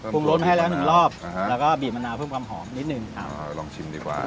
ปรุงรสมาให้แล้วหนึ่งรอบแล้วก็บีบมะนาวเพิ่มความหอมนิดนึงอ่าลองชิมดีกว่า